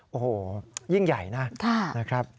โอ้โหยิ่งใหญ่นะครับ